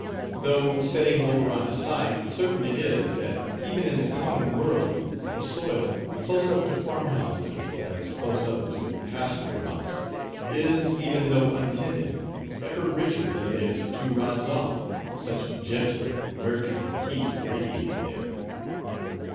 Though setting Oberon aside, certain it is, that, even in the common world, the soil, close up to farm houses, as close up to pasture rocks, is, even though untended, ever richer than it is a few rods off—such gentle, nurturing heat is radiated there.